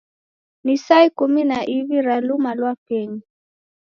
Ni saa ikumi na iwi ra luma lwa penyu.